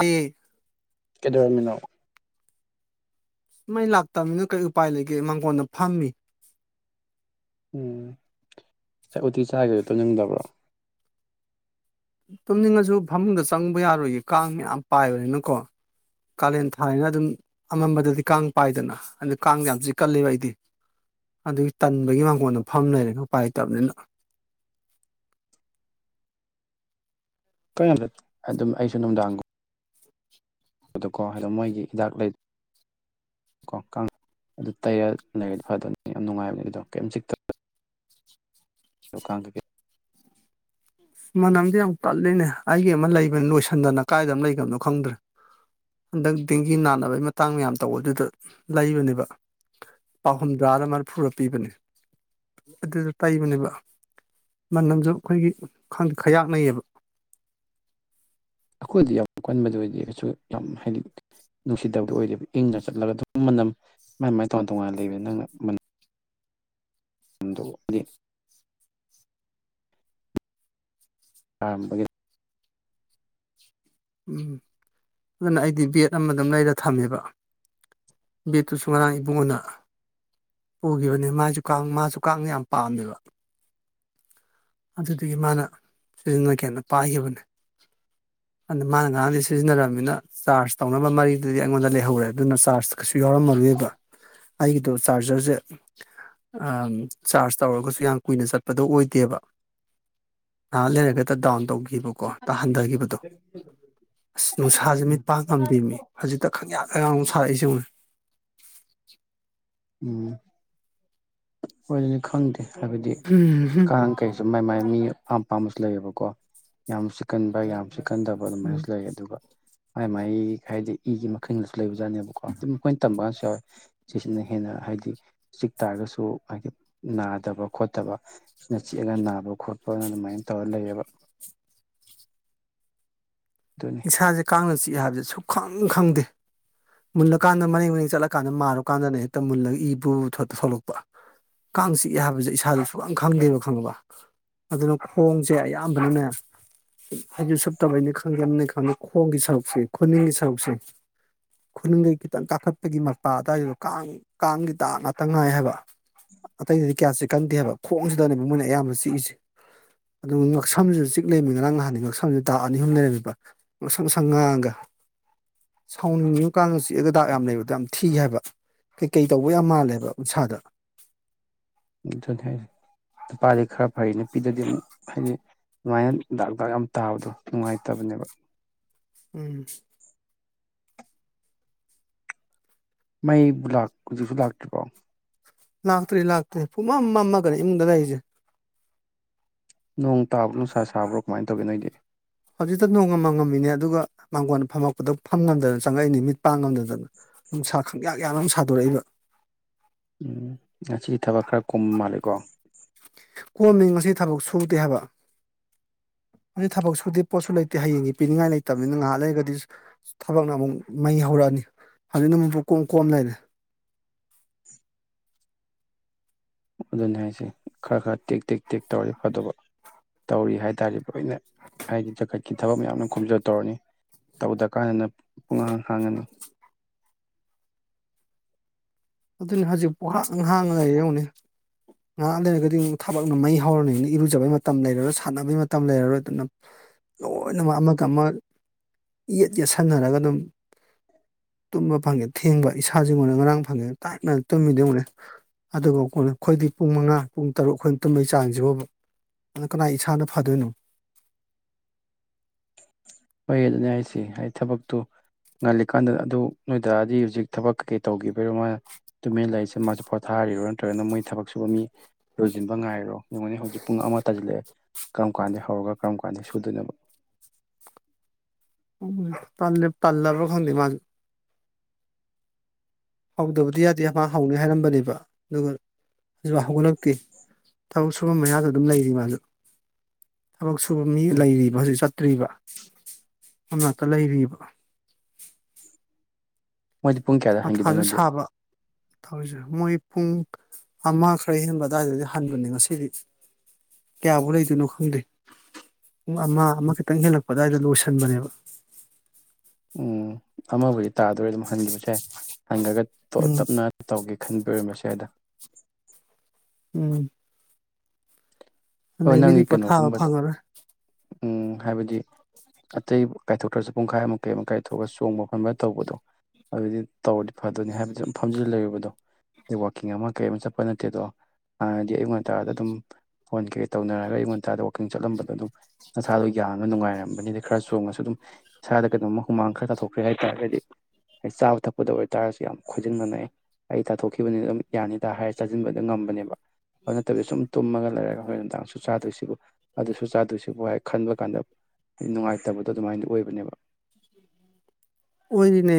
ꯍꯦ [inaudible] ꯀꯩꯗꯧꯔꯝꯃꯤꯅꯣ ꯃꯩ ꯂꯥꯛꯇꯃꯤꯅ ꯀꯩ ꯎꯄꯥꯏ ꯂꯩꯒꯦ ꯃꯥꯡꯒꯣꯟꯗ ꯐꯝꯃꯤ ꯎꯝ ꯉꯁꯥꯏ ꯎꯇꯤ ꯆꯥꯏꯗꯣ ꯇꯨꯝꯅꯤꯗꯕ꯭ꯔꯣ ꯇꯨꯝꯅꯤꯡꯉꯖꯨ ꯐꯃꯨꯡꯗ ꯆꯪꯕ ꯌꯥꯔꯣꯏꯌꯦ ꯀꯥꯡ ꯃꯌꯥꯝ ꯄꯥꯏꯕꯅꯤꯅꯀꯣ ꯀꯥꯂꯦꯟ ꯊꯥꯔꯤꯅ ꯑꯗꯨꯝ ꯑꯃꯝꯕꯗꯗꯤ ꯀꯥꯡ ꯄꯥꯏꯗꯅ ꯑꯗꯨ ꯀꯥꯡ ꯌꯥꯝ ꯆꯤꯛꯀꯜꯂꯦꯕ ꯑꯩꯗꯤ ꯑꯗꯨꯒꯤ ꯇꯟꯕꯒꯤ ꯃꯥꯡꯒꯣꯟꯗ ꯐꯝ ꯂꯩꯔꯦꯅꯦ ꯎꯄꯥꯏ ꯂꯩꯇꯝꯅꯤꯅ ꯀꯥꯡ ꯌꯝ ꯑꯗꯨꯝ ꯑꯩꯁꯨ ꯅꯨꯡꯗꯥꯡꯒꯨꯝ ꯑꯗꯨꯀꯣ ꯑꯗꫭ ꯃꯣꯏꯒꯤ ꯍꯤꯗꯥꯛ ꯂꯩ ꯀꯣ ꯀꯥꯡ ꯑꯗꯨ ꯇꯩꯔ ꯂꯩꯔꯗꯤ ꯐꯗꯧꯅꯤ ꯌꯥꯝ ꯅꯨꯡꯉꯥꯏꯕꯅꯦ ꯑꯗꯨꯗꯣ ꯀꯝ ꯆꯤꯛꯇꯝ [unintelligible] ꯃꯅꯝꯗꯤ ꯌꯥꯝ ꯀꯜꯂꯤꯅꯦ ꯑꯩꯒꯤ ꯑꯃ ꯂꯩꯕꯅꯤ ꯂꯣꯏꯁꯤꯟꯗꯅ ꯀꯥꯏꯗꯝ ꯂꯩꯒꯝꯅꯣ ꯈꯪꯗ꯭ꯔꯦ ꯍꯟꯗꯛ ꯗꯦꯡꯒꯤ ꯅꯥꯟꯅꯕꯒꯤ ꯃꯇꯥꯡ ꯃꯌꯥꯝ ꯇꯧꯕꯗꯨꯗ ꯂꯩꯕꯅꯦꯕ ꯂꯨꯄꯥ ꯍꯨꯝꯗ꯭ꯔꯥꯔ ꯃꯔꯐꯨꯔ ꯄꯤꯕꯅꯦ ꯑꯗꯨꯗꫭ ꯇꯩꯕꯅꯦꯕ ꯃꯅꯝꯖꯨ ꯑꯩꯈꯣꯏꯒꯤ ꯈꯪꯗꯦ ꯈꯌꯥꯛꯅꯩꯌꯦꯕ ꯑꯩꯈꯣꯏꯗꯤ ꯌꯥꯝ ꯀꯟꯕꯗꯤ ꯑꯣꯏꯗꯦ ꯀꯩꯁꯨ ꯌꯥꯝ ꯍꯥꯏꯗꯤ ꯅꯨꯡꯁꯤꯗꯕꯗꫭ ꯑꯣꯏꯗꯕ ꯏꯪꯅ ꯆꯠꯂꯒ ꯑꯗꯨꯝ ꯃꯅꯝ ꯃꯥꯏ ꯃꯥꯏ ꯇꯣꯉꯥꯟ ꯇꯣꯉꯥꯟꯅ ꯂꯩꯕꯅꯦ ꯅꯪꯅ ꯃꯅꯝ ꯑꯗꯨꯗꯤ ꯀꯔꯝꯕꯒꯤꯅꫭ ꯎꯝ ꯑꯗꯨꯅ ꯑꯩꯗꯤ ꯕꯥꯠ ꯑꯃ ꯑꯗꯨꯝ ꯂꯩꯔ ꯊꯝꯃꯦꯕ ꯕꯥꯠꯇꯨꯁꯨ ꯉꯔꯥꯡ ꯏꯕꯨꯡꯉꯣꯅ ꯄꯨꯒꯤꯕꯅꯦ ꯃꯥꯖꯨ ꯀꯥꯡ ꯃꯥꯖꯨ ꯀꯥꯡꯅ ꯌꯥꯝ ꯄꯥꯝꯃꯦꯕ ꯑꯗꯨꯗꯒꯤ ꯃꯥꯅ ꯁꯤꯖꯤꯟꯅꯒꯦꯅ ꯄꯥꯏꯒꯤꯕꯅꯦ ꯑꯗꯥ ꯃꯥꯅ ꯉꯔꯥꯡꯗꯩ ꯁꯤꯖꯤꯟꯅꯔꯃꯤꯅ ꯆꯥꯔꯖ ꯇꯧꯅꯕ ꯃꯔꯤꯗꯨꯗꯤ ꯑꯩꯉꯣꯟꯗ ꯂꯩꯍꯧꯔꯦ ꯑꯗꯨꯅ ꯆꯥꯔꯖ ꯀꯩꯁꯨ ꯌꯥꯎꯔꯝꯃꯔꯣꯕ ꯑꯩꯒꯤꯗꯣ ꯆꯥꯔꯖꯔꯖꯦ ꯑꯝ ꯆꯥꯔꯖ ꯇꯧꯔꯒꯁꯨ ꯌꯥꯝ ꯀꯨꯏꯅ ꯆꯠꯄꯗꯣ ꯑꯣꯏꯗꯦꯕ ꯉꯥꯏꯍꯛ ꯂꯩꯔꯒꯗ ꯗꯥꯎꯟ ꯇꯧꯒꯤꯕꯀꯣ ꯇ ꯍꯟꯗꯒꯤꯕꯗꯣ ꯑꯁ ꯅꯨꯡꯁꯥꯥꯖꯦ ꯃꯤꯠ ꯄꯪ ꯉꯝꯗꯦ ꯃꯤ ꯍꯧꯖꯤꯛꯇ ꯈꯪꯌꯥꯛ ꯌꯥꯛ ꯁꯥꯔꯛꯏꯖꯦ ꯌꯦꯡꯉꯨꯅꯦ ꯎꯝ꯫ ꯈꫭꯏꯗꯗꯤ ꯈꯪꯗꯦ ꯍꯥꯏꯕꯗꯤ ꯀꯥꯡ ꯀꯩ ꯃꯥꯏ ꯃꯥꯏ ꯃꯤ ꯑꯄꯥꯝ ꯑꯄꯥꯝꯕꯁꯨ ꯂꯩꯌꯦꯕꯀꯣ ꯌꯥꯝ ꯆꯤꯛꯀꯟꯕ ꯌꯥꯝ ꯆꯤꯀꯟꯗꯕ ꯑꯗꯨꯃꯥꯏꯅꯁꯨ ꯂꯩ ꯑꯗꯨꯒ ꯃꯥꯏ ꯃꯥꯥꯏꯒꯤ ꯍꯥꯏꯗꯤ ꯏꯒꯤ ꯃꯈꯜꯗꯁꯨ ꯂꯩꯕꯖꯥꯠꯅꯦꯕꯀꯣ ꯑꯗꯨꯝ ꯃꯈꯣꯏꯅ ꯇꯝꯕ ꯀꯥꯟꯁꯨ ꯌꯥꯎꯋꯦ ꯆꯦꯛꯁꯤꯅ ꯍꯦꯟꯅ ꯍꯥꯏꯗꯤ ꯆꯤꯛ ꯇꯥꯔꯒꯁꯨ ꯍꯥꯏꯗꯤ ꯅꯥꯗꯕ ꯈꯣꯠꯇꯕ ꯁꯤꯅ ꯆꯤꯛꯑꯒ ꯅꯥꯕ ꯈꯣꯠꯄ ꯑꯗꯨꯃꯥꯏꯅ ꯇꯧꯔ ꯂꯩꯌꯦꯕ ꯗꯨꯟ ꯏꯁꯥꯁꯦ ꯀꯥꯡꯅ ꯆꯤꯛꯑꯦ ꯍꯥꯏꯕꯁꯦ ꯁꯨꯛꯈꯪ ꯈꯪꯗꯦ ꯃꯨꯜꯂꯀꯥꯟꯗ ꯃꯔꯦꯡ ꯃꯔꯦꯡ ꯆꯠꯂꯀꯥꯟꯗ ꯃꯔꯨ ꯀꯥꯟꯗꯅꯦ ꯍꯦꯛꯇ ꯃꯨꯜꯂꯒ ꯏ ꯕꯨꯕꯨ ꯊꫭꯛ ꯊꯣꯛꯂꯛꯄ ꯀꯥꯡ ꯆꯤꯛꯑꯦ ꯍꯥꯏꯕꯁꯦ ꯏꯁꯥꯁꯦ ꯁꯨꯛꯈꯥꯡ ꯈꯪꯗꯦꯕ ꯈꯪꯉꯥꯕ ꯑꯗꯨꯅ ꯈꯣꯡꯁꯦ ꯑꯌꯥꯝꯕꯅꯅꯦ ꯐꯩꯖꯨꯞ ꯁꯨꯞꯇꯕꯩꯅꯤ ꯈꯪꯗꯦ ꯑꯅꯤ ꯈꯪ ꯈꯣꯡꯒꯤ ꯁꯔꯨꯛꯁꯦ ꯈꯨꯅꯤꯡꯒꯤ ꯁꯔꯨꯛꯁꯦ ꯈꯨꯅꯨꯡꯗꯩ ꯈꯤꯇꯪ ꯀꯥꯈꯠꯄꯒꯤ ꯃꯄꯥ ꯑꯗꯥꯏꯗꯣ ꯀꯥꯡ ꯀꯥꯡꯒꯤ ꯗꯛ ꯉꯥꯛꯇ ꯉꯥꯏ ꯍꯥꯏꯕ ꯑꯇꯩꯗꯗꯤ ꯀꯌꯥ ꯆꯤꯛꯀꯟꯗꯦ ꯍꯥꯏꯕ ꯈꯣꯡꯁꯤꯗꯅꯦꯕ ꯃꯣꯏꯅ ꯑꯌꯥꯝꯕ ꯆꯤꯛꯏꯁꯦ ꯑꯗꯨꯒ ꯉꯛꯁꯝꯁꯤꯗ ꯆꯤꯛ ꯂꯩꯃꯤꯅꯤ ꯉꯔꯥꯡ ꯅꯍꯥꯟꯅꯦ ꯉꯛꯁꯝꯁꯤꯗ ꯗꯛ ꯑꯅꯤ ꯑꯍꯨꯝ ꯂꯩꯝꯃꯤꯕ ꯉꯁꯪ ꯉꯁꯪ ꯉꯥꯡꯉꯒ ꯁꯥꯎꯅꯤꯡꯉꯤꯕ ꯀꯥꯡꯅ ꯆꯤꯛꯑꯒ ꯗꯥꯛ ꯌꯥꯝ ꯂꯩꯕꯗꯣ ꯌꯥꯝ ꯊꯤ ꯍꯥꯏꯕ ꯀꯩ ꯀꯩ ꯇꯧꯕ ꯌꯥꯝ ꯃꯥꯜꯂꯦꯕ ꯎꯟꯁꯥꯗ ꯑꯗꯨꯅꯤ ꯍꯥꯏꯖꯦ ꯅꯨꯄꯥꯗꯤ ꯈꯔ ꯐꯩ ꯅꯨꯄꯤꯗꯗꯤ ꯑꯃꯨꯛ ꯍꯥꯏꯗꯤ ꯑꯗꯨꯃꯥꯏꯅ ꯗꯥꯛ ꯗꯥꯛ ꯌꯥꯝ ꯇꯥꯕꯗꯣ ꯅꯨꯡꯉꯥꯏꯇꯕꯅꯦꯕ ꯎꯝ꯫ ꯃꯩꯕꯨ ꯂꯥꯛ ꯍꯧꯖꯤꯛꯁꯨ ꯂꯥꯛꯇ꯭ꯔꯤꯕꯣ ꯂꯥꯛꯇ꯭ꯔꯤ ꯂꯥꯛꯇ꯭ꯔꯤ ꯄꯨꯨꯡꯃꯝ ꯃꯝꯃꯒꯅꯤ ꯏꯃꯨꯡꯗ ꯂꯩꯔꯤꯁꯦ ꯅꯣꯡ ꯇꯥꯕ꯭ꯔꯣ ꯅꯨꯡꯁꯥ ꯁꯥꯕ꯭ꯔꯣ ꯀꯃꯥꯏ ꯇꯧꯒꯦ ꯅꯣꯏꯗꯤ ꯍꯧꯖꯤꯛꯇ ꯅꯣꯡꯒ ꯃꯪ ꯉꯝꯃꯤꯅꯦ ꯑꯗꯨꯒ ꯃꯥꯡꯒꯣꯟ ꯐꯝꯃꯛꯄꯗ ꯐꯝ ꯉꯝꯗ ꯗꯅ ꯆꯪꯉꯛꯏꯅꯦ ꯃꯤꯠ ꯄꯥꯡ ꯉꯝꯗꯗꯅ ꯅꯨꯡꯁꯥ ꯈꯪꯌꯥꯛ ꯌꯥꯛꯅ ꯃꯨ ꯁꯥꯗꯣꯔꯛꯏꯕ ꯎꯝ ꯉꯁꯤ ꯊꯕꯛ ꯈꯔ ꯀꯨꯝ ꯃꯥꯜꯂꯤꯀꯣ ꯀꯣꯝꯃꯤ ꯉꯁꯤ ꯊꯕꯛ ꯁꯨꯗꯦ ꯍꯥꯏꯕ ꯉꯁꯤ ꯊꯕꯛ ꯁꯨꯗꯦ ꯄꯣꯠꯁꯨ ꯂꯩꯇꯦ ꯍꯌꯦꯡꯒꯤ ꯄꯤꯅꯤꯡꯉꯥꯏ ꯂꯩꯇꯕꯅꯤꯅ ꯉꯥꯏꯍꯥꯛ ꯂꯩꯔꯒꯗꯤ ꯊꯕꯛꯅ ꯑꯃꯨꯛ ꯃꯩ ꯍꯧꯔꯛꯑꯅꯤ ꯍꯧꯖꯤꯛꯅ ꯃꯨꯛ ꯄꯨꯝꯀꯣꯝ ꯀꯣꯝ ꯂꯩꯔꯦ꯫ ꯑꯗꯨꯅꯦ ꯍꯥꯏꯁꯦ ꯈꯔ ꯈꯔ ꯇꯦꯛ ꯇꯦꯛ ꯇꯦꯛ ꯇꯧꯔꯗꯤ ꯐꯥꯗꯧꯕ ꯇꯧꯔꯤ ꯍꯥꯏꯇꯥꯔꯦ ꯂꯣꯏꯅ ꯍꯥꯏꯗꯤ ꯖꯒꯠ ꯀꯤ ꯊꯕꯛ ꯃꯌꯥꯝꯅ ꯈꯣꯝꯖꯜꯂ ꯇꯧꯔꯅꯤ ꯇꯧꯗ ꯀꯥꯟꯗꯅ ꯄꯨꯡꯍꯥꯡ ꯍꯥꯡꯉꯅꯤ ꯑꯗꯨꯅꯤ ꯍꯖꯤꯛ ꯄꯨꯍꯥꯡ ꯍꯥꯡꯉ ꯂꯩꯔꯦ ꯌꯦꯡꯉꯨꯅꯦ ꯉꯥꯍꯥꯛ ꯂꯩꯔꯒꯗꯤꯡ ꯊꯕꯛꯅ ꯃꯩ ꯍꯧꯔꯅꯤ ꯏꯔꯨꯖꯕꯩ ꯃꯇꯝ ꯂꯩꯔꯔꯣꯏ ꯁꯥꯟꯅꯕꯩ ꯃꯇꯝ ꯂꯩꯔꯔꯣꯏ ꯑꯗꯨꯅ ꯂꯣꯏꯅꯃꯛ ꯑꯃꯒ ꯑꯃ ꯏꯌꯦꯠ ꯌꯦꯠꯁꯟꯅꯔꯒ ꯑꯗꯨꯝ ꯇꯨꯝꯕ ꯐꯪꯉꯦ ꯊꯦꯡꯕ ꯏꯁꯥꯖꯤ ꯉꯣꯅꯦ ꯉꯔꯥꯡ ꯐꯪꯉꯦ ꯇꯥꯏꯞꯅ ꯇꯨꯝꯃꯤꯗꯣ ꯌꯦꯉꯨꯅꯦ ꯑꯗꯨꯒ [unintelligible] ꯈꯣꯏꯗꯤ ꯄꯨꯡ ꯃꯉꯥ ꯄꯨꯡ ꯇꯔꯨꯛ ꯈꯣꯏꯟ ꯇꯨꯝꯕꯩ ꯆꯥꯡꯖꯤꯕꯣꯕ ꯑꯗ ꯀꯅꯥ ꯏꯁꯥꯅ ꯐꯗꯣꯏꯅꯣ ꯍꯣꯏ ꯑꯗꯨꯅꯦ ꯍꯥꯏꯁꯦ ꯍꯥꯏ ꯊꯕꯛꯇꯨ ꯉꯜꯂꯤꯀꯥꯟꯗ ꯑꯗꯨ ꯅꯣꯏ ꯗꯥꯗꯤ ꯍꯨꯖꯤꯛ ꯊꯕꯛ ꯀꯩꯀꯩ ꯇꯧꯒꯤꯕꯩꯔꯣ ꯃꯥꯅ ꯇꯨꯃꯤꯟ ꯂꯩꯁꯦ ꯃꯥꯖꯨ ꯄꯣꯊꯥꯔꯤꯔꯣ ꯅꯠꯇ꯭ꯔꯒꯅ ꯃꯣꯏ ꯊꯕꯛ ꯁꯨꯕ ꯃꯤ ꯂꯣꯏꯖꯤꯟꯕ ꯉꯥꯏꯔꯣ ꯌꯦꯡꯉꯣꯟꯅꯦ ꯍꯧꯖꯤꯛ ꯄꯨꯡ ꯑꯃ ꯇꯥꯖꯤꯜꯂꯛꯑꯦ ꯀꯔꯝ ꯀꯥꯟꯗꯩ ꯍꯧꯔꯒ ꯀꯔꯝ ꯀꯥꯟꯗꯩ ꯁꯨꯗꯣꯏꯅꯣꯕ [unintelligible] ꯄꯟꯗꯦ ꯄꯜꯂꯥꯕ꯭ꯔꯥ ꯈꯡꯗꯦ ꯃꯥꯖꯨ ꯍꯧꯗꯕꯗꯤ ꯌꯥꯗꯦ ꯃꯥ ꯍꯧꯅꯤ ꯍꯥꯏꯔꯝꯕꯅꯦꯕ ꯑꯗꯨꯒ ꯖꯤꯛꯕꯥꯎ ꯍꯧꯒꯠꯂꯛꯇꯦ ꯇꯕꯛ ꯁꯨꯕꯝ ꯃꯌꯥꯗ ꯑꯗꯨꯝ ꯂꯩꯔꯤ ꯃꯥꯖꯨ ꯊꯕꯛ ꯁꯨꯕ ꯃꯤ ꯎꯝ ꯂꯩꯔꯤꯕ ꯍꯧꯖꯤꯛ ꯆꯠꯇ꯭ꯔꯤꯕ ꯑꯝꯔꯀꯟ ꯂꯩꯔꯤꯕ ꯃꯣꯏꯗꯤ ꯄꯨꯡ ꯀꯌꯥꯗ ꯃꯊꯥꯖꯨ ꯍꯟꯈꯤꯗꯣꯏꯅꯣꯗꯤ ꯁꯥꯕ ꯇꯧꯔꯤꯖꯦ ꯃꯣꯏ ꯄꯨꯡ ꯑꯃ ꯈꯔ ꯍꯦꯟꯕ ꯑꯗꯏꯗꯅꯤꯅꯦ ꯍꯟꯕꯅꯦ ꯉꯁꯤꯗꯤ ꯀꯌꯥꯕꯨ ꯂꯩꯗꯣꯏꯅꯣ ꯈꯪꯗꯦ ꯄꯨꯡ ꯑꯃ ꯑꯃ ꯈꯤꯇꯪ ꯍꯦꯜꯂꯛꯄ ꯑꯗꯥꯏꯗ ꯂꯣꯏꯁꯟꯕꯅꯦꯕ ꯎꯝ ꯑꯃꯕꯨꯗꯤ ꯇꯥꯗꯣꯔꯦ ꯑꯗꯨꯝ ꯍꯟꯒꯤꯕꯖꯨ ꯌꯥꯏ ꯍꯟꯒ꯭ꯔꯒ ꯎꯝ ꯇꯣꯛꯑ-ꯇꯞꯅ ꯇꯧꯒꯦ ꯈꯟꯕꯩ ꯑꯣꯏꯔꯝꯕꯁꯨ ꯌꯥꯏꯗ ꯎꯝ ꯑꯣ ꯑꯗꯒꯤꯗꯤ ꯅꯪꯒꯤ ꯀꯩꯅꯣ ꯄꯣꯊꯥꯕ ꯀꯨꯝꯕꯗ ꯐꯪꯉꯔꯣꯏ ꯎꯝ ꯍꯥꯏꯕꯗꯤ ꯑꯇꯩ ꯀꯥꯏꯊꯣꯛꯇ꯭ꯔꯖꯨ ꯄꯨꯡꯈꯥꯏꯃꯨꯛ ꯀꯩ ꯑꯃꯨꯛ ꯀꯥꯏꯊꯣꯛ ꯑꯨꯔ ꯆꯣꯡꯕ ꯐꯟꯕ ꯇꯧꯕꯗꯣ ꯑꯗꯨꯗꯤ ꯇꯧꯔꯗꯤ ꯐꯗꯣꯏꯅꯦ ꯍꯥꯏꯕꯗꯤ ꯑꯝ ꯐꯝꯖꯤꯜ ꯂꯩꯕꯗꯣ ꯋꯥꯛꯀꯤꯡ ꯑꯃ ꯀꯩꯃ ꯆꯠꯄ ꯅꯠꯇꯦꯗꯣ ꯍꯥꯟꯅꯗꯤ ꯑꯌꯨꯛ ꯉꯟꯇꯥꯗ ꯑꯗꯨꯝ ꯐꯣꯟ ꯀꯩ ꯇꯧꯅꯔꯒ ꯑꯌꯨꯛ ꯉꯟꯇꯥꯗ ꯋꯥꯛꯀꯤꯡ ꯆꯠꯂꯝꯕꯗꯣ ꯑꯗꯨꯝ ꯅꯁꯥꯗꯣ ꯌꯥꯡꯉ ꯅꯨꯡꯉꯥꯏꯔꯝꯕꯅꯤꯗ ꯈꯔ ꯆꯣꯡꯉꯁꯨ ꯑꯗꯨꯝ ꯏꯁꯥꯗ ꯀꯩꯅꯣꯝꯃ ꯍꯨꯃꯥꯡ ꯈꯔ ꯇꯥꯊꯣꯛꯈ꯭ꯔꯦ ꯍꯥꯏꯇꯥꯔꯒꯗꯤ ꯍꯦ ꯆꯥꯕ ꯊꯛꯄꯗ ꯑꯣꯏꯇꯥꯔꯁꯨ ꯌꯥꯝ ꯈꯣꯏꯖꯤꯡꯅꯅꯦ ꯑꯦ ꯑꯩ ꯇꯥꯊꯣꯛꯈꯤꯕꯅꯤ ꯎꯝ ꯌꯥꯅꯤꯗ ꯍꯥꯏ ꯆꯥꯖꯤꯟꯕꯗ ꯉꯝꯕꯅꯦꯕ ꯑꯗꯨ ꯅꯠꯇꯕꯤ ꯁꯨꯝ ꯇꯨꯝꯃꯒ ꯂꯩꯔꯒ ꯍꯣꯔꯦꯟ ꯅꯨꯡꯗꯥꯡ ꯁꯨ ꯆꯥꯗꯣꯏꯁꯤꯕꯨ ꯑꯗꯨꯁꯨ ꯆꯥꯗꯣꯏꯁꯤꯕꯨ ꯍꯥꯏ ꯈꯟꯕ ꯀꯥꯟꯗ ꯅꯨꯡꯉꯥꯏꯇꯕꯗꯣ ꯑꯗꯨꯃꯥꯏꯟ ꯑꯣꯏꯕꯅꯦꯕ ꯑꯣꯏꯔꯤꯅꯦ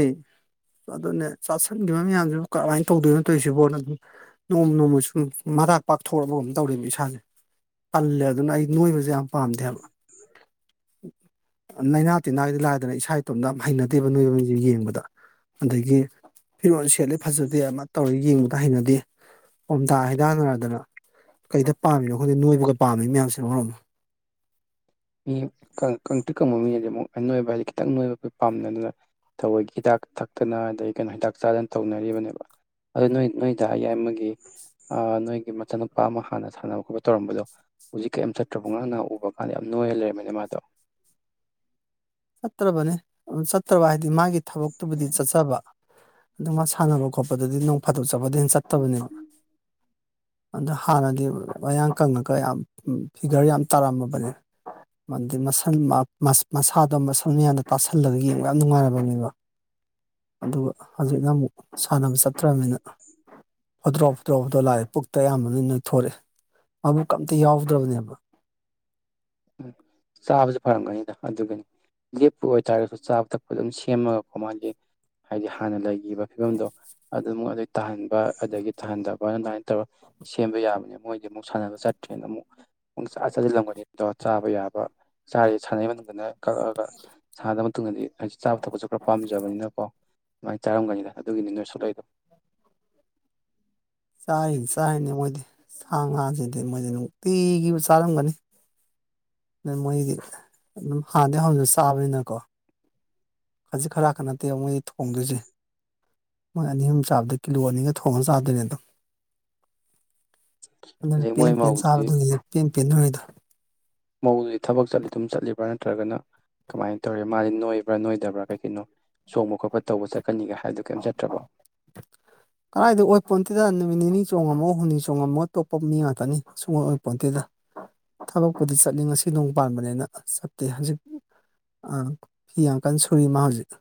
ꯑꯗꯨꯅꯦ ꯆꯥꯥꯁꯟꯒꯤꯕ ꯃꯌꯥꯝꯖꯤꯕꯨ ꯀꯔꯝꯃꯥꯏꯟ ꯇꯧꯗꯣꯏꯅꯣ ꯇꯣꯏꯁꯤꯕꯣꯅ ꯑꯗꯨꯝ ꯅꯣꯡꯃ ꯅꯣꯡꯃꯩ ꯁꯨꯝ ꯃꯔꯥꯛ ꯄꯥꯛꯊꯣꯔꯛꯑꯕ ꯀꯝ ꯇꯧꯔꯦꯃꯤ ꯏꯁꯥꯖꯦ ꯇꯜꯂꯦ ꯑꯗꯨꯅ ꯑꯩ ꯅꯣꯏꯕꯖꯦ ꯌꯥꯝ ꯄꯥꯝꯗꯦ ꯍꯥꯕ ꯑ ꯅꯩꯏꯅꯥ ꯇꯤꯟꯅꯥꯒꯤꯗꯤ ꯂꯥꯏꯔꯗꯅ ꯏꯁꯥ ꯏꯇꯣꯝꯗ ꯑꯝ ꯍꯩꯅꯗꯦꯕ ꯅꯣꯏꯕꯖꯦ ꯌꯦꯡꯕꯗ ꯑꯗꯒꯤ ꯐꯤꯔꯣꯜ ꯁꯦꯠꯂꯦ ꯐꯖꯗꯦ ꯑꯃ ꯇꯧꯔꯦ ꯌꯦꯡꯕꯗ ꯍꯩꯅꯗꯦ ꯄꯣꯝꯗꯥ ꯍꯩꯗꯥꯅꯔꯗꯅ ꯀꯩꯗ ꯄꯥꯃꯤꯅꯣ ꯈꯪꯗꯦ ꯅꯣꯏꯕꯒ ꯄꯥꯝꯃꯤ ꯃꯌꯥꯝꯁꯤꯅ ꯃꯔꯣꯝꯃ [unintelligible] ꯃꯤ ꯀꯪ ꯀꯪꯇ꯭ꯔꯤꯛ ꯀꯪꯕ ꯃꯤꯅꯗꯤ ꯑꯃꯨꯛ ꯑꯅꯣꯏꯕ ꯍꯥꯏꯗꯤ ꯈꯤꯇꯪ ꯅꯣꯏꯕ ꯄꯥꯝꯅꯩ ꯑꯗꯨꯅ ꯊꯋꯣꯏꯒꯤ ꯍꯤꯗꯥꯛ ꯊꯛꯇꯅ ꯑꯗꯩ ꯀꯩꯅꯣ ꯍꯤꯗꯥꯛ ꯆꯥꯗꯅ ꯇꯧꯅꯔꯤꯕꯅꯦꯕ ꯑꯗꯨ ꯅꯣꯏ ꯅꯣꯏꯗꯥ ꯌꯥꯏꯃꯒꯤ ꯑꯥ ꯅꯣꯏꯒꯤ ꯃꯆꯥꯅꯨꯄꯥ ꯑꯃ ꯍꯥꯟꯅ ꯁꯥꯟꯅꯕ ꯈꯣꯠꯄ ꯇꯧꯔꯝꯕꯗꯣ ꯍꯧꯖꯤꯛ ꯀꯩꯝ ꯆꯠꯇ꯭ꯔꯕꯣ ꯉꯥꯔꯥꯡ ꯅꯍꯥꯟ ꯎꯕ ꯀꯥꯟꯗ ꯌꯥꯝ ꯅꯣꯏ ꯂꯩꯔꯝꯃꯦꯅꯦ ꯃꯥꯗꯣ ꯆꯠꯇ꯭ꯔꯕꯅꯦ ꯑꯗꯨ ꯆꯠꯇ꯭ꯔꯕ ꯍꯥꯏꯗꯤ ꯃꯥꯒꯤ ꯊꯕꯛꯇꯨꯕꯨꯗꯤ ꯆꯠꯆꯕ ꯑꯗꯣ ꯃꯥ ꯁꯥꯟꯅꯕ ꯈꯣꯠꯄꯗꯗꯤ ꯅꯣꯡ ꯐꯥꯗꯣꯛ ꯆꯠꯄꯗꯩ ꯍꯦꯟ ꯆꯠꯇꯕꯅꯦꯕ ꯑꯗ ꯍꯥꯟꯅꯗꯤ ꯃꯌꯥꯡ ꯀꯪꯉꯒ ꯌꯥꯝ ꯐꯤꯒ꯭ꯔ ꯌꯥꯝ ꯇꯥꯔꯝꯃꯕꯅꯦ ꯃꯥꯗꯤ ꯃꯁꯝ ꯃ ꯃꯥꯁ ꯃꯁꯥꯠ ꯑꯗꯣ ꯃꯁꯝ ꯃꯌꯥꯝꯅ ꯇꯥꯁꯜꯂꯒ ꯌꯦꯡꯕ ꯌꯥꯝ ꯅꯨꯡꯉꯥꯏꯔꯝꯃꯅꯤꯕ ꯑꯗꯨꯒ ꯍꯧꯖꯤꯛꯅ ꯑꯃꯨꯛ ꯁꯥꯟꯅꯕ ꯆꯠꯇ꯭ꯔꯝꯅꯤꯅ ꯐꯣꯗ꯭ꯔꯣ ꯐꯣꯗ꯭ꯔꯣ ꯐꯣꯗꯣ ꯂꯥꯛꯑꯦ ꯄꯨꯛꯇ ꯑꯌꯥꯝꯕꯅ ꯅꯣꯏꯊꯣꯔꯑꯦ ꯃꯕꯨꯛꯀ ꯑꯝꯇ ꯌꯥꯎꯗ꯭ꯔꯕꯅꯦꯕ ꯎꯝ ꯆꯥꯕꯖꯨ ꯐꯔꯝꯒꯅꯤꯗ ꯑꯗꯨꯒꯤꯟ ꯂꯦꯞꯄ ꯑꯣꯏꯇꯥꯔꯒ ꯆꯥꯕ ꯊꯛꯄ ꯑꯗꯨꯝ ꯁꯦꯝꯃꯒꯀꯣ ꯃꯥꯒꯤ ꯍꯥꯏꯗꯤ ꯍꯥꯟꯅ ꯂꯩꯒꯤꯕ ꯐꯤꯕꯝꯗꯣ ꯑꯗꯨꯝ ꯃ‌ꯣꯏ ꯑꯗꯩ ꯇꯥꯍꯟꯕ ꯑꯗꯒꯤ ꯇꯥꯍꯟꯗꯕꯅ ꯑꯗꯥꯏꯟ ꯇꯧ ꯁꯦꯝꯕ ꯌꯥꯕꯅꯦ ꯃꯣꯏꯗꯤ ꯑꯃꯨꯛ ꯁꯥꯟꯅꯕ ꯆꯠꯇ꯭ꯔꯦꯅ ꯑꯃꯨꯛ ꯄꯨꯡꯆꯥ ꯆꯥꯁꯤꯜꯂꯝꯒꯅꯤ ꯑꯗꯣ ꯆꯥꯕ ꯌꯥꯕ ꯆꯥꯏ ꯁꯥꯟꯅꯩ ꯃꯇꯝꯗꯅ ꯀꯛꯑꯒ ꯁꯥꯟꯅꯗꯕ ꯃꯇꯨꯡꯗꯗꯤ ꯍꯥꯏꯗꯤ ꯆꯥꯕ ꯊꯛꯄꯖꯨ ꯈꯔ ꯄꯥꯝꯖꯕꯅꯤꯅꯀꯣ ꯑꯗꯨꯃꯥꯏꯅ ꯆꯥꯔꯝꯒꯅꯤꯗ ꯑꯗꯨꯒꯤꯅꯤ ꯅꯣꯏ ꯁꯨꯛꯂꯛꯏꯗꯣ ꯆꯥꯔꯤꯅꯤ ꯆꯥꯔꯤꯅꯤ ꯃꯣꯏꯗꯤ ꯁꯥ ꯉꯥꯖꯤꯗꯤ ꯃꯣꯏꯗꯤ ꯅꯨꯡꯇꯤꯒꯤꯕꯨ ꯆꯥꯔꯝꯒꯅꯤ ꯅꯪ ꯃꯣꯏꯒꯤ ꯑꯗꯨꯝ ꯍꯥꯟꯅꯗꯩ ꯍꯧꯅ ꯆꯥꯕꯅꯤꯅꯀꯣ ꯈꯖꯤꯛ ꯈꯥꯔꯥꯛꯀ ꯅꯠꯇꯦ ꯃꯣꯏꯗꯤ ꯊꯣꯡꯗꯨꯏꯖꯦ ꯃꯣꯏ ꯑꯅꯤ ꯑꯍꯨꯝ ꯆꯥꯕꯗ ꯀꯤꯂꯣ ꯑꯅꯤꯒ ꯊꯣꯡꯉꯥ ꯆꯥꯗꯨꯏꯅꯦ ꯑꯗꯣ ꯑꯗꯨꯟ ꯑꯗꯩ ꯄꯦꯟ ꯃꯣꯏ ꯄꯦꯟ ꯃꯧꯗꯨꯗꯤ ꯆꯥꯕꯗꯨꯒꯤꯅꯦ ꯄꯦꯟ ꯄꯦꯟ ꯅꯣꯏꯔꯤꯗꯣ ꯃꯧꯗꯨꯗꯤ ꯊꯕꯛ ꯆꯠꯂꯤ ꯑꯗꯨꯝ ꯆꯠꯂꯤꯕ꯭ꯔꯥ ꯅꯠꯇ꯭ꯔꯒꯅ ꯀꯃꯥꯏꯟ ꯇꯧꯔꯦ ꯃꯥꯗꯤ ꯅꯣꯏꯕ꯭ꯔꯥ ꯅꯣꯏꯗꯕ꯭ꯔꯥ ꯀꯩ ꯀꯩꯅꯣ ꯆꯣꯡꯕ ꯈꯣꯠꯄ ꯇꯧꯕ ꯆꯠꯀꯅꯤꯒ ꯍꯥꯏꯗꯨ ꯀꯩꯝ ꯆꯠꯇ꯭ꯔꯕꯣ ꯀꯗꯥꯥꯏꯗꯒꯤ ꯑꯣꯏ ꯄꯣꯟꯇꯦꯗ ꯅꯨꯃꯤꯠ ꯅꯤꯅꯤ ꯆꯣꯡꯉꯝꯃꯣ ꯍꯨꯝꯅꯤ ꯆꯣꯡꯉꯝꯃꯣ ꯇꯣꯛꯄ ꯃꯤ ꯉꯥꯛꯇꯅꯤ ꯁꯨꯛꯑꯣꯏ ꯑꯣꯏ ꯄꯣꯟꯇꯦꯗ ꯊꯕꯛꯄꯨꯗꯤ ꯆꯠꯅꯤ ꯉꯁꯤ ꯅꯣꯡꯃ ꯄꯥꯟꯕꯅꯦꯅ ꯆꯠꯇꯦ ꯍꯖꯤꯛ ꯑꯥ ꯐꯤ ꯌꯥꯝ ꯀꯟ ꯁꯨꯔꯤ ꯃꯥ ꯍꯨꯖꯤꯛ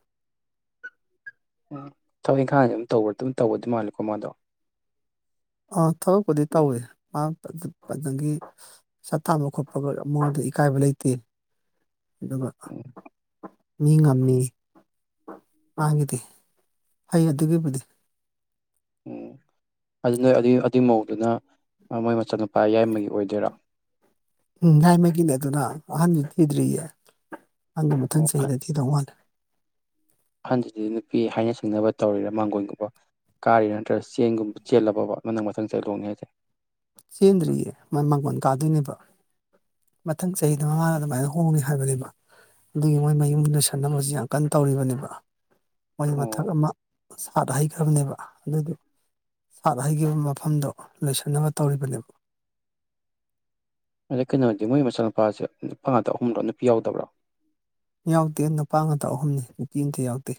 ꯎꯝ ꯊꯕꯛ ꯏꯪꯈꯥꯡꯗꯤ ꯑꯗꯨꯝ ꯇꯧꯕ ꯑꯗꯨꯝ ꯇꯧꯕꯗꯤ ꯃꯥꯜꯂꯦꯀꯣ ꯃꯥꯗꯣ ꯑꯥ ꯊꯕꯛꯄꯨꯗꯤ ꯇꯧꯋꯦ ꯃꯥ ꯑ ꯑꯗꯒꯤ ꯄꯩꯁꯥ ꯇꯥꯟꯕ ꯈꯣꯠꯄꯒ ꯃꯉꯣꯟꯗ ꯏꯀꯥꯏꯕ ꯂꯩꯇꯦ ꯑꯗꯨꯒ ꯎꯝ ꯃꯤ ꯉꯝꯃꯤ ꯃꯥꯒꯤꯗꯤ ꯑꯩ ꯑꯗꯨꯒꯤꯕꯨꯗꯤ ꯎꯝ ꯑꯗꯨ ꯅꯣꯏ ꯑꯗꯨꯏ ꯑꯗꯨꯏ ꯃꯧꯗꯨꯅ ꯃ ꯃꯣꯏ ꯃꯆꯥꯅꯨꯄꯥ ꯌꯥꯏꯃꯒꯤ ꯑꯣꯏꯗꯨꯏꯔꯣ ꯎꯝ ꯌꯥꯏꯃꯒꯤꯅꯦ ꯑꯗꯨꯅ ꯑꯍꯟꯗꯤ ꯊꯤꯗ꯭ꯔꯤꯌꯦ ꯑꯍꯟꯗꯤ ꯃꯊꯪ ꯑꯣ ꯆꯍꯤꯗ ꯊꯤꯗꯧ ꯃꯥꯜꯂꯦ ꯑꯍꯟꯖꯤꯗꯤ ꯅꯨꯄꯤ ꯍꯥꯏꯅ ꯁꯤꯡꯅꯕ ꯇꯧꯔꯤꯔꯥ ꯃꯥꯡꯒꯣꯟꯒꯨꯕ ꯀꯥꯔꯤꯔ ꯅꯠꯇ꯭ꯔ ꯆꯦꯡꯒꯨꯝ ꯆꯦꯜꯂꯕꯕ ꯅꯪꯅ ꯃꯊꯪ ꯆꯍꯤ ꯂꯨꯍꯣꯡꯅꯦ ꯍꯥꯏꯖꯦ ꯆꯦꯟꯗ꯭ꯔꯤꯌꯦ ꯃꯥ ꯃꯥꯡꯒꯣꯟ ꯀꯥꯗꯨꯏꯅꯦꯕ ꯃꯊꯪ ꯆꯍꯤꯗ ꯃꯃꯥꯅ ꯑꯗꯨꯃꯥꯏꯅ ꯍꯣꯡꯅꯦ ꯍꯥꯏꯕꯅꯦꯕ ꯑꯗꯨꯒꯤ ꯃꯣꯏ ꯃꯌꯨꯝ ꯂꯣꯏꯁꯟꯅꯕꯖꯤ ꯌꯥꯝ ꯀꯟ ꯇꯧꯔꯤꯕꯅꯦꯕ ꯃꯣꯏ ꯑꯣ ꯃꯊꯛ ꯑꯃ ꯁꯥꯠ ꯍꯩꯈ꯭ꯔꯕꯅꯦꯕ ꯑꯗꯨꯗꯨ ꯁꯥꯠ ꯍꯩꯒꯤꯕ ꯃꯐꯝꯗꯣ ꯂꯣꯏꯁꯟꯅꯕ ꯇꯧꯔꯤꯕꯅꯦꯕ ꯑꯗꯩ ꯀꯩꯅꯣꯗꯤ ꯃꯣꯏ ꯃꯆꯥꯅꯨꯄꯥꯖꯦ ꯅꯨꯄꯥ ꯉꯥꯛꯇ ꯑꯍꯨꯝꯂꯣ ꯅꯨꯄꯤ ꯌꯥꯎꯗꯕ꯭ꯔꯣ ꯌꯥꯎꯗꯦ ꯅꯨꯄꯥ ꯉꯥꯛꯇ ꯑꯍꯨꯝꯅꯤ ꯅꯨꯄꯤ ꯑꯝꯇ ꯌꯥꯎꯗꯦ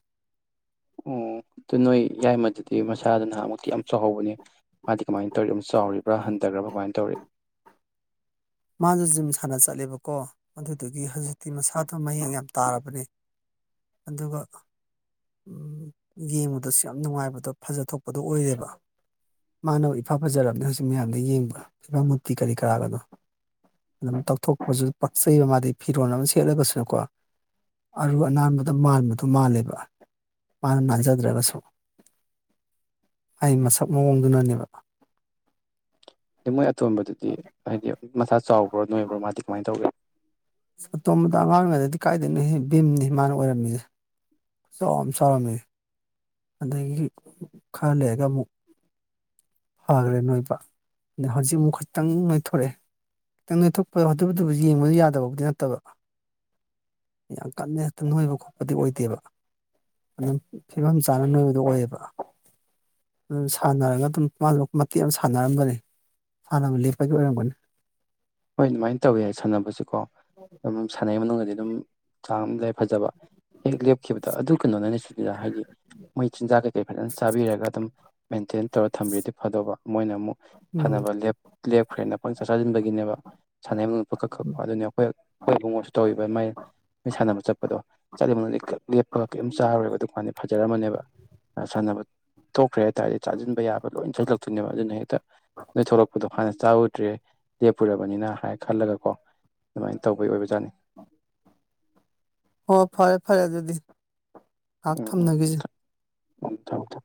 ꯑꯣ ꯑꯗꯨ ꯅꯣꯏ ꯌꯥꯏꯃꯗꯨꯗꯤ ꯃꯁꯥꯗꯨ ꯅꯍꯥꯟꯃꯨꯛꯇꯤ ꯌꯥꯝ ꯆꯥꯎꯍꯧꯕꯅꯦ ꯃꯥꯗꯤ ꯀꯃꯥꯏꯟ ꯇꯧꯔꯤ ꯑꯗꯨꯝ ꯆꯥꯎꯔꯤꯕ꯭ꯔꯥ ꯍꯟꯗꯒ꯭ꯔꯕ ꯀꯃꯥꯏꯟ ꯇꯧꯔꯤ ꯃꯥꯖꯨ ꯖꯤꯝ ꯁꯥꯟꯅ ꯆꯠꯂꯦꯕꯀꯣ ꯑꯗꯨꯗꯨꯒꯤ ꯍꯧꯖꯤꯛꯇꯤ ꯃꯁꯥꯗꯣ ꯃꯌꯦꯡ ꯌꯥꯝ ꯇꯥꯔꯕꯅꯦ ꯑꯗꯨꯒ ꯎꯝ ꯌꯦꯡꯕꯗꯁꯨ ꯌꯥꯝ ꯅꯨꯡꯉꯥꯏꯕꯗꯣ ꯐꯖꯊꯣꯛꯄꯗꯣ ꯑꯣꯏꯌ‌ꯦꯕꯥ ꯃꯥꯅꯕꯨ ꯏꯐꯥ ꯐꯖꯔꯕꯅꯦ ꯍꯧꯖꯤꯛ ꯃꯌꯥꯝꯗꯩ ꯌꯦꯡꯕ ꯐꯤꯚꯝ ꯃꯨꯔꯇꯤ ꯀꯔꯤ ꯀꯔꯥꯒꯗꯣ ꯑꯗꯨꯝ ꯇꯧꯊꯣꯛꯄꯖꯨ ꯄꯛꯆꯩꯕ ꯃꯥꯗꯤ ꯐꯤꯔꯣꯜ ꯑꯃ ꯁꯦꯠꯂꯒꯁꯨꯀꯣ ꯑꯔꯨ ꯑꯅꯥꯟꯕꯗ ꯃꯥꯟꯕꯗꯣ ꯃꯥꯜꯂꯦꯕ ꯃꯥꯅ ꯅꯥꯟꯖꯗ꯭ꯔꯒꯁꯨ ꯑꯩ ꯃꯁꯛ ꯃꯑꯣꯡꯗꯨꯅꯅꯦꯕ ꯃꯣꯏ ꯑꯇꯣꯝꯕꯗꯨꯗꯤ ꯍꯥꯏꯗꯤ ꯃꯁꯥ ꯆꯥꯎꯕ꯭ꯔꯣ ꯅꯣꯏꯕ꯭ꯔꯣ ꯃꯥꯗꯤ ꯀꯃꯥꯏꯅ ꯇꯧꯒꯦ ꯑꯇꯣꯝꯕꯗꯣ ꯑꯉꯥꯡ ꯑꯣꯏꯔꯤꯉꯩꯗꯗꯤ ꯀꯥꯏꯗꯩꯅꯣꯍꯦ ꯚꯤꯝꯅꯦ ꯃꯥꯅ ꯑꯣꯏꯔꯝꯃꯤꯖꯦ ꯈꯨꯆꯥꯎꯃ ꯆꯥꯎꯔꯝꯃꯦ ꯑꯗꯒꯤ ꯈꯔ ꯂꯩꯔꯒ ꯑꯃꯨꯛ ꯐꯒ꯭ꯔꯦ ꯅꯣꯏꯕ ꯑꯗ ꯍꯧꯖꯤꯛ ꯑꯃꯨꯛ ꯈꯇꯪ ꯅꯣꯏꯊꯣꯔꯛꯑꯦ ꯇꯪ ꯅꯣꯏꯊꯣꯛꯄꯗ ꯑꯗꯨꯗꯨꯕꯨ ꯌꯦꯡꯕ ꯌꯥꯗꯕꯕꯨꯗꯤ ꯅꯠꯇꯕ ꯌꯥꯝ ꯀꯟꯅ ꯍꯦꯛꯇ ꯅꯣꯏꯕ ꯈꯣꯠꯄꯗꯤ ꯑꯣꯏꯗꯦꯕ ꯑꯗꯨꯝ ꯐꯤꯕꯝ ꯆꯥꯅ ꯅꯣꯏꯕꯗꯣ ꯑꯣꯏꯌꯦꯕ ꯑꯗꯨꯝ ꯁꯥꯟꯅꯔꯒ ꯑꯗꯨꯝ ꯃꯥꯗꯣ ꯃꯇꯦꯛ ꯑꯃ ꯁꯥꯟꯅꯔꯝꯕꯅꯦ ꯁꯥꯟꯅꯕ ꯂꯦꯞꯄꯒꯤ ꯑꯣꯏꯔꯝꯒꯅꯤ ꯍꯣꯏ ꯑꯗꯨꯃꯥꯏ ꯇꯧꯋꯦ ꯍꯥꯏ ꯁꯥꯟꯅꯕꯁꯤꯀꯣ ꯑꯗꯨꯝ ꯁꯥꯟꯅꯩ ꯃꯅꯨꯡꯗꯗꯤ ꯑꯗꯨꯝ ꯆꯥꯡ ꯑꯃꯗ ꯍꯦꯛ ꯐꯖꯕ ꯍꯦꯛ ꯂꯦꯞꯈꯤꯕꯗ ꯑꯗꯨ ꯀꯩꯅꯣꯅꯅꯦ ꯏꯔꯥ ꯍꯥꯏꯗꯤ ꯃꯣꯏ ꯆꯤꯟꯖꯥꯛ ꯀꯩꯀꯩ ꯐꯖꯅ ꯆꯥꯕꯤꯔꯒ ꯑꯗꯨꯝ ꯃꯦꯟꯇꯦꯟ ꯇꯧꯔ ꯊꯝꯕꯤꯔꯗꯤ ꯐꯗꯧꯕ ꯃꯣꯏꯅ ꯑꯃꯨꯛ ꯎꯝ ꯐꯅꯕ ꯂꯦꯞ ꯂꯦꯞꯈ꯭ꯔꯦꯅ ꯄꯪꯆꯥ ꯆꯥꯖꯤꯟꯕꯒꯤꯅꯦꯕ ꯁꯥꯟꯅꯩ ꯃꯅꯨꯡ ꯄꯀꯛ ꯀꯛꯄ ꯑꯗꯨꯅꯤ ꯑꯈꯣꯏ ꯈꯣꯏ ꯏꯕꯨꯡꯉꯣꯁꯨ ꯇꯧꯋꯤꯕ ꯃꯥꯏ ꯁꯥꯟꯅꯕ ꯆꯠꯄꯗꯣ ꯆꯠꯂꯤ ꯃꯅꯨꯗꯤ ꯀꯛ ꯂꯦꯞꯄꯒ ꯀꯩꯝ ꯆꯥꯔꯣꯏꯕ ꯑꯗꯨꯀꯥꯟꯗꯤ ꯐꯖꯔꯝꯃꯅꯦꯕ ꯁꯥꯟꯅꯕ ꯇꯣꯛꯈ꯭ꯔꯦ ꯍꯥꯏ ꯇꯥꯔꯗꯤ ꯆꯥꯖꯤꯟꯕ ꯌꯥꯕ ꯂꯣꯏ ꯆꯖꯤꯜꯂꯛꯇꯣꯏꯅꯦꯕ ꯑꯗꯨꯅ ꯍꯦꯛꯇ ꯅꯣꯏ ꯊꯣꯛꯔꯛꯄꯗꯣ ꯍꯥꯟꯅ ꯆꯥꯎꯗ꯭ꯔꯦ ꯂꯦꯞꯄꯨꯔꯕ ꯕꯅꯤꯅ ꯍꯥꯏ ꯈꯜꯂꯒꯀꯣ ꯑꯗꯨꯃꯥꯏꯅ ꯇꯧꯕꯩ ꯑꯣꯏꯕꯖꯥꯠꯅꯤ ꯍꯣ ꯐꯔꯦ ꯐꯔꯦ ꯑꯗꯨꯗꯤ ꯉꯥꯏꯍꯥꯛ ꯎꯝ ꯎꯝ ꯊꯝꯅꯈꯤꯁꯤ ꯈꯥ ꯊꯝ ꯊꯝ